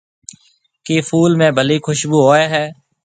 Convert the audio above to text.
ڪيَ ڦول ۾ ڀلِي کشڀوُ هوئي هيَ۔